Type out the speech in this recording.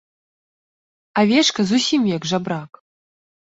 Авечка зусім як жабрак.